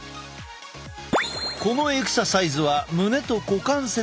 このエクササイズは胸と股関節は動かす。